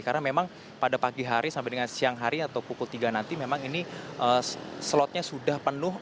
karena memang pada pagi hari sampai dengan siang hari atau pukul tiga nanti memang ini slotnya sudah penuh